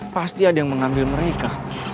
pasti ada yang mengambil mereka